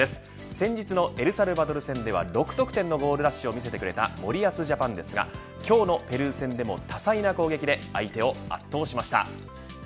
先日のエルサルバドル戦では６得点のゴールラッシュを見せてくれた森保ジャパンですが今日のペルー戦でも多彩な攻撃で相手を圧倒しました。